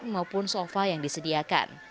dan juga di ruangan sofa yang disediakan